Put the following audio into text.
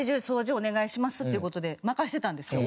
お願いしますっていう事で任せてたんですよ。